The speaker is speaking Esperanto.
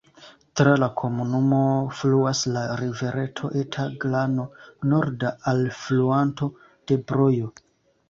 Tra la komunumo fluas la rivereto Eta Glano, norda alfluanto de Brojo.